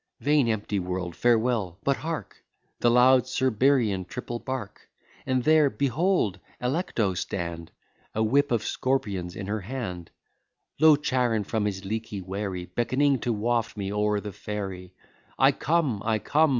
Vain empty world, farewell. But hark, The loud Cerberian triple bark; And there behold Alecto stand, A whip of scorpions in her hand: Lo, Charon from his leaky wherry Beckoning to waft me o'er the ferry: I come! I come!